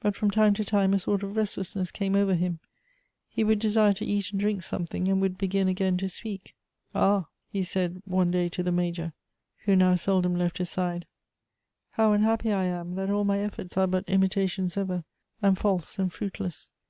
But from time to time a sort of restlessness came over him ; he would desire to eat and drink something, and would begin again to spe.ik. "Ah! "he said, one day to the Mnjor, who now seldom left his side, " how unhap py I am tlint all my efforts are but imitations ever, and false and fruitless.